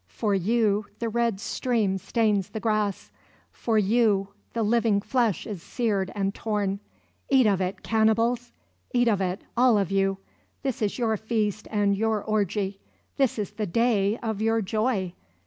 For you the red stream stains the grass; for you the living flesh is seared and torn. Eat of it, cannibals; eat of it, all of you! This is your feast and your orgy; this is the day of your joy!